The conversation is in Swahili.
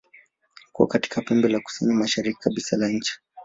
Uko katika pembe la kusini-mashariki kabisa la nchi.